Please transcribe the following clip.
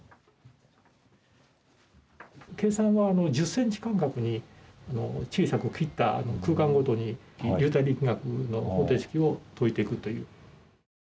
計算は１０センチ間隔に小さく切った空間ごとに流体力学の方程式を解いていくという。